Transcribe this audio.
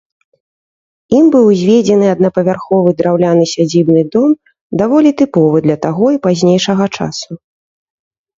Ім быў узведзены аднапавярховы драўляны сядзібны дом, даволі тыповы для таго і пазнейшага часу.